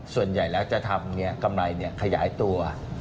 ส่วนใหญ่แล้วจะทำกำไรขยายตัว